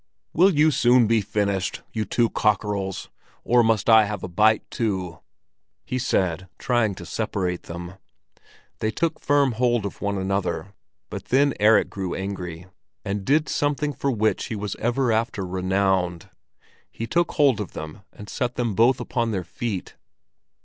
"Will you soon be finished, you two cockerels, or must I have a bite too?" he said, trying to separate them. They took firm hold of one another, but then Erik grew angry, and did something for which he was ever after renowned. He took hold of them and set them both upon their feet.